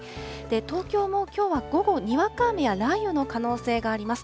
東京もきょうは午後、にわか雨や雷雨の可能性があります。